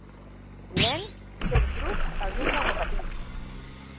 nen fent trucs en un monopatí